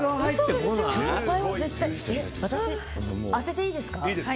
私、当てていいですか。